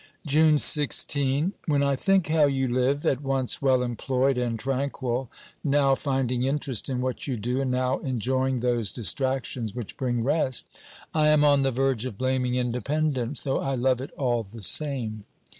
June 16. When I think how you live, at once well employed and tranquil, now finding interest in what you do, and now enjoying those distractions which bring rest, I am on the verge of blaming independence, though I love it all the same.